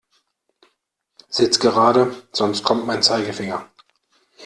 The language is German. Sitz gerade, sonst kommt mein Zeigefinger.